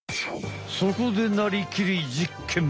そこで「なりきり！実験！」。